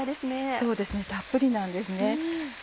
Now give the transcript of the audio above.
そうですねたっぷりなんです。